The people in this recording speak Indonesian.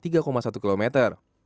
pembangunan jalan tohapati